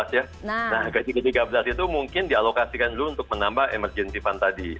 nah gaji ke tiga belas itu mungkin dialokasikan dulu untuk menambah emergency fund tadi